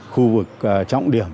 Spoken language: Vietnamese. khu vực trọng điểm